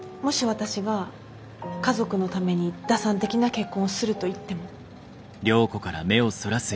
私が家族のために打算的な結婚をすると言っても？